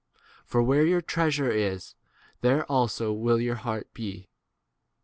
34 For where your treasure is, there 35 also will your heart be.